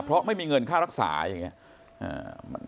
เพราะไม่มีเงินค่ารักษาอย่างนี้